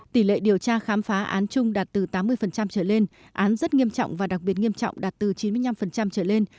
tỷ lệ điều tra khám phá án chung đạt từ tám mươi trở lên án rất nghiêm trọng và đặc biệt nghiêm trọng đạt từ chín mươi năm trở lên